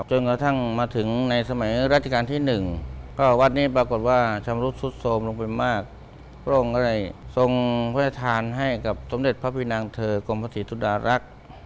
จนกระทั่งมาถึงในสมัยราชการที่๑ก็วัดนี้ปรากฏว่าชำรุดสุดโทรมลงไปมากพระองค์ก็ได้ทรงพระราชทานให้กับสมเด็จพระพินางเธอกรมพระศรีธุดารักษ์